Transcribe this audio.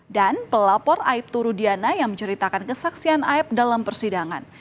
dan pelapor aiptu rudiana yang menceritakan kesaksian aep dalam persidangan